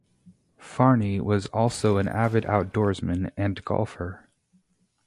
Fahrni was also an avid outdoorsman and golfer.